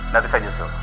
nanti saya justru